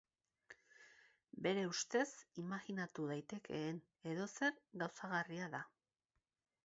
Bere ustez, imajinatu daitekeen edozer gauzagarria da.